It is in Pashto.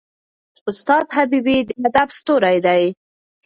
استاد حبیبي د ادب ستوری دی.